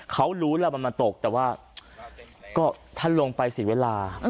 เขารู้แล้วมันมาตกแต่ว่าก็ท่านลงไปเสียเวลา